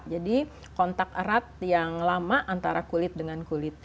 jadi kontak erat yang lama antara kulit dengan kulit